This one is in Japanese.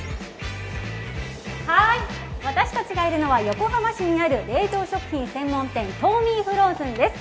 私たちがいるのは横浜市にある冷凍食品専門店ＴＯＭＩＮＦＲＯＺＥＮです。